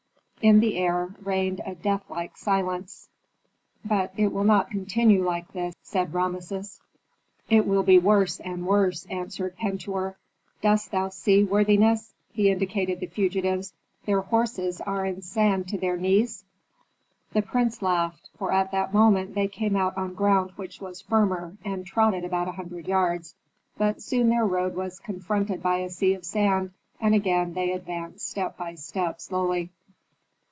In the air reigned a deathlike silence. "But it will not continue like this," said Rameses. "It will be worse and worse," answered Pentuer. "Dost thou see, worthiness," he indicated the fugitives, "their horses are in sand to their knees?" The prince laughed, for at that moment they came out on ground which was firmer, and trotted about a hundred yards. But soon their road was confronted by a sea of sand, and again they advanced step by step slowly.